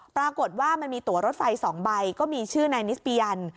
ปรากฏว่ามันมีตัวรถไฟ๒ใบก็มีชื่อนายนิสปียัน